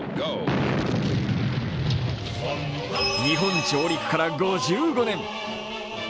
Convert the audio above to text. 日本上陸から５５年。